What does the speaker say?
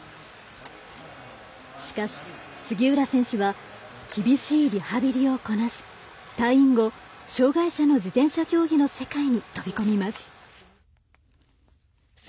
しかし杉浦選手は厳しいリハビリをこなし退院後、障がい者の自転車競技の世界に飛び込みます。